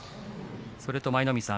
それと舞の海さん